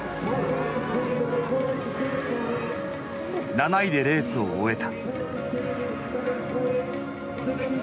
７位でレースを終えた。